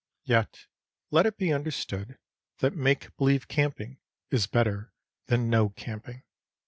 Yet, let it be understood that make believe camping is better than no camping.